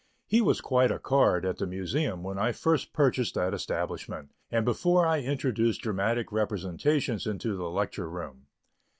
He was quite a card at the Museum when I first purchased that establishment, and before I introduced dramatic representations into the "Lecture Room."